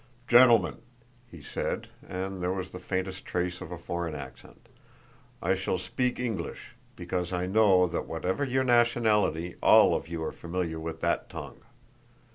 "Gentlemen," he said, and there was the faintest trace of a foreign accent, "I shall speak English because I know that whatever your nationality all of you are familiar with that tongue.